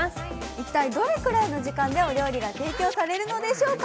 一体どれくらいの時間でお料理が提供されるのでしょうか。